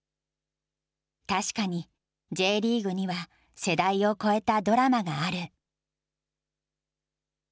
確かにＪリーグには世代を超えたドラマがある。